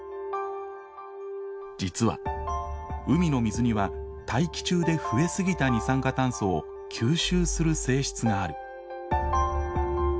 実は海の水には大気中で増え過ぎた二酸化炭素を吸収する性質がある。